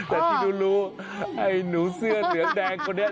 แต่ที่รู้ไอ้หนูเสื้อเหลืองแดงคนนี้